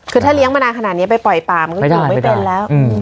คือถ้าเลี้ยงมานานขนาดนี้ไปปล่อยป่ามันก็อยู่ไม่เป็นแล้ว